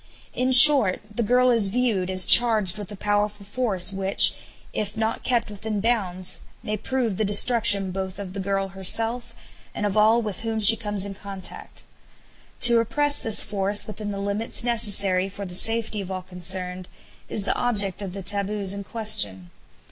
In short, the girl is viewed as charged with a powerful force which, if not kept within bounds, may prove the destruction both of the girl herself and of all with whom she comes in contact. To repress this force within the limits necessary for the safety of all concerned is the object of the taboos in question.